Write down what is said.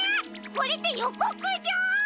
これってよこくじょう！？